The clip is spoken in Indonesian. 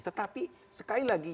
tetapi sekali lagi